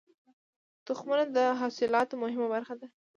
تخمونه د حاصلاتو مهمه برخه ده.